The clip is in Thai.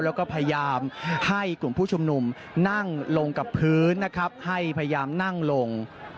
แล้วก็พยายามให้กลุ่มผู้ชุมนุมนั่งลงกับพื้นนะครับให้พยายามนั่งลง